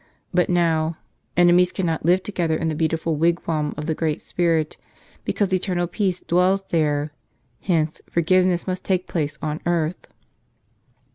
But now, enemies cannot live together in the beautiful wigwam of the Great Spirit, because eternal peace dwells there. Hence, forgiveness must take place on earth."